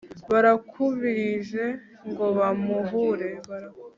Barakubirije ngo bampuhure.